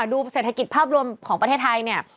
ดูเศรษฐกิจภาพรวมของประเทศไทยเนี่ย